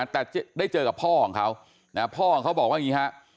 แต่ได้เจอกับพ่อของเขาพ่อของเขาบอกว่าอย่างนี้ฮะ